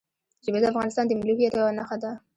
ژبې د افغانستان د ملي هویت یوه نښه ده.